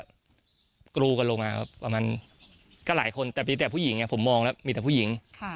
จอเสกก็กรูกันลงมาประมาณก็หลายคนแต่ไปแต่ผู้หญิงนะผมมองละพี่ผู้หญิง